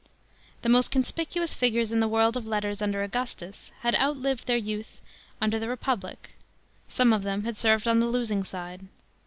The most conspicuous figures in the world of letters under Augustus had outlived their youth under the Republic ; some of them had served on the losing side.